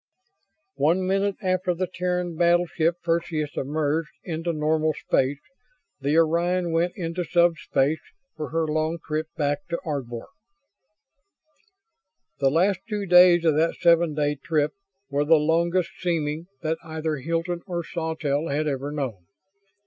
One minute after the Terran battleship Perseus emerged into normal space, the Orion went into sub space for her long trip back to Ardvor. The last two days of that seven day trip were the longest seeming that either Hilton or Sawtelle had ever known.